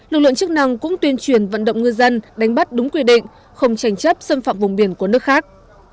lực lượng chức năng cũng tuyên truyền vận động ngư dân đánh bắt đúng quy định không trành chấp xâm phạm vùng biển của nước khác